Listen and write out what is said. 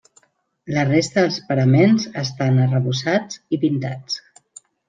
La resta dels paraments estan arrebossats i pintats.